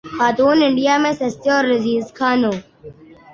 خاتون انڈیا میں سستے اور لذیذ کھانوں